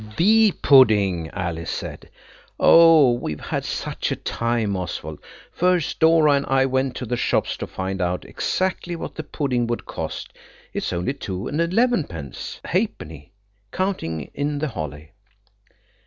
"The pudding," Alice said. "Oh, we've had such a time, Oswald! First Dora and I went to the shops to find out exactly what the pudding would cost–it's only two and elevenpence halfpenny, counting in the holly."